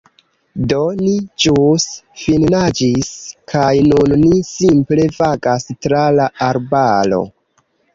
Do ni Ĵus finnaĝis kaj nun ni simple vagas tra la arbaro